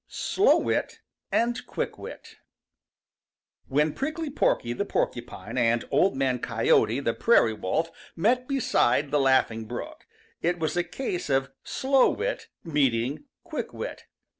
SLOW WIT AND QUICK WIT |WHEN Prickly Porky the Porcupine and Old Man Coyote the Prairie Wolf met beside the Laughing Brook, it was a case of Slow Wit meeting Quick Wit.